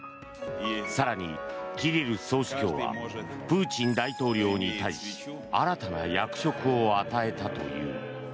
更に、キリル総主教はプーチン大統領に対し新たな役職を与えたという。